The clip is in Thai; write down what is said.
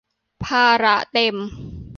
ภาระเต็ม